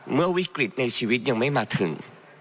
เมื่อวิกฤตในชีวิตยังไม่มาถึง